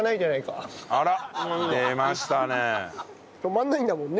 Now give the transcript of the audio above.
止まんないんだもん。